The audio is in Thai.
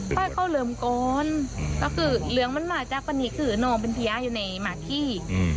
ก็เขาเหลือมก้อนก็คือเหลืองมันมาจากวันนี้คือโน้นเป็นเทียอยู่ในหมาขี้